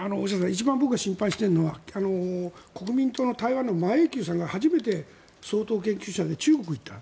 一番僕が心配しているのは国民党の台湾の馬英九さんが初めて総統経験者で中国に行った。